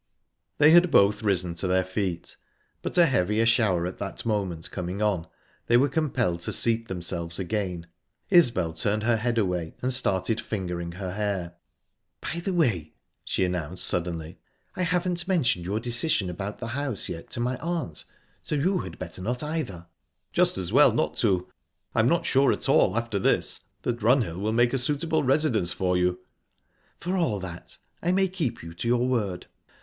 They had both risen to their feet, but a heavier shower at that moment coming on, they were compelled to seat themselves again. Isbel turned her head away, and started fingering her hair. "By the way," she announced suddenly, "I haven't mentioned your decision about the house yet to my aunt, so you had better not, either." "Just as well not to I'm not sure at all, after this, that Runhill will make a suitable residence for you." "For all that, I may keep you to your word.